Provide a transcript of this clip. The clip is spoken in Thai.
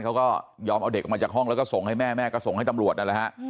เขาก็ยอมเอาเด็กออกมาจากห้องแล้วก็ส่งให้แม่แม่ก็ส่งให้ตำรวจนั่นแหละฮะ